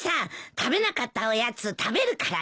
食べなかったおやつ食べるからね。